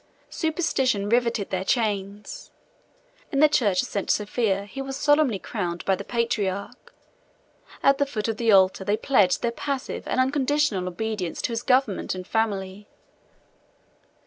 Superstition rivetted their chains; in the church of St. Sophia he was solemnly crowned by the patriarch; at the foot of the altar, they pledged their passive and unconditional obedience to his government and family.